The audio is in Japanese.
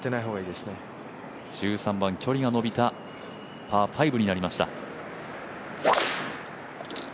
１３番、距離が伸びたパー５になりました。